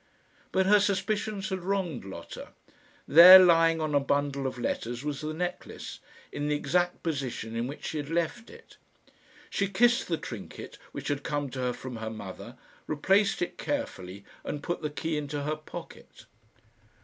But her suspicions had wronged Lotta. There, lying on a bundle of letters, was the necklace, in the exact position in which she had left it. She kissed the trinket, which had come to her from her mother, replaced it carefully, and put the key into her pocket.